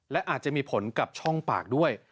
และอาจจะมีผลกับช่องปากด้วย